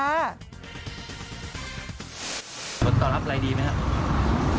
ส่วนต่อครับรายดีไหมครับ